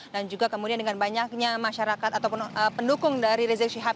dan juga kemudian dengan banyaknya masyarakat atau pendukung dari rizik sihab